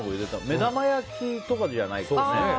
目玉焼きとかじゃないですよね。